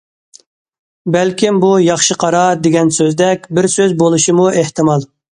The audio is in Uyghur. بەلكىم بۇ ياخشى قارا دېگەن سۆزدەك بىر سۆز بولۇشىمۇ ئېھتىمال.